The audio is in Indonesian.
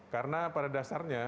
karena pada dasarnya